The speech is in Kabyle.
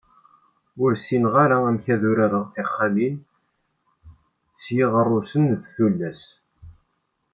Ur ssineɣ ara amek ara urareɣ tixxamin s yiɣerrusen d tullas